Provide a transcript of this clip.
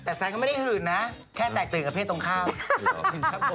แต่แซนก็ไม่ได้หื่นนะแค่แตกตื่นกับเพศตรงข้าม